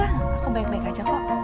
aku baik baik aja kok